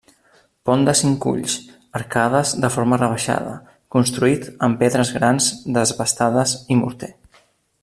Pont de cinc ulls; arcades de forma rebaixada, construït amb pedres grans, desbastades i morter.